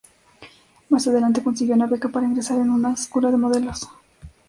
Más adelante consiguió una beca para ingresar en una escuela de modelos.